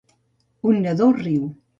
Un nadó riu